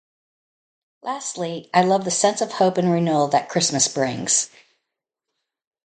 Lastly, I love the sense of hope and renewal that Christmas brings.